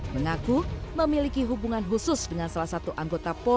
mengaku memiliki hubungan khusus dengan salah satu anggota polri